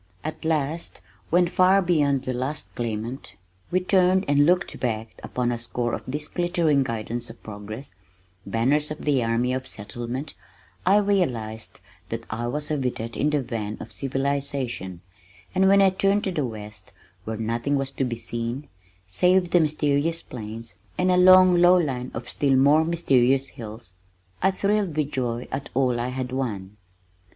At last, when far beyond the last claimant, we turned and looked back upon a score of these glittering guidons of progress, banners of the army of settlement, I realized that I was a vedette in the van of civilization, and when I turned to the west where nothing was to be seen save the mysterious plain and a long low line of still more mysterious hills, I thrilled with joy at all I had won.